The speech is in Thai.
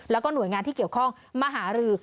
แล้วก็หน่วยงานที่เกี่ยวข้องมหารือ